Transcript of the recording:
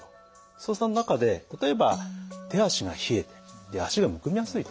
その中で例えば手足が冷えて足がむくみやすいと。